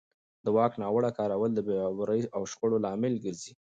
د واک ناوړه کارول د بې باورۍ او شخړو لامل ګرځي